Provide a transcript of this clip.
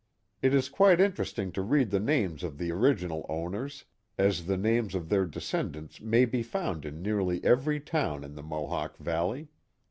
It is quite interesting to read the names of the original owners, as the names of their descendants may be found in nearly .every, town in the Mohawk Valley.